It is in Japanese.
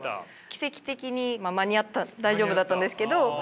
奇跡的に間に合った大丈夫だったんですけど。